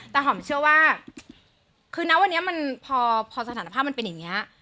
แต่หอมเชื่อว่าคือนะวันนี้มันพอสถานภาพมันเป็นอย่างนี้